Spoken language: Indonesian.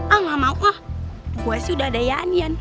ah gak mau ah gue sih udah ada yan yan